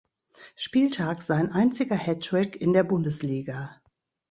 Spieltag sein einziger Hattrick in der Bundesliga.